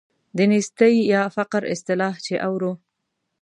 د نیستۍ یا فقر اصطلاح چې اورو.